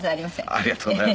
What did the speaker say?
ありがとうございます。